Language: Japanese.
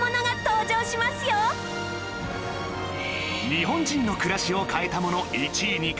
日本人の暮らしを変えたもの１位に輝くのは